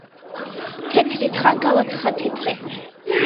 თეთრი თხა გავათხათეთრე